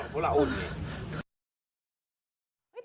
ปุธนี่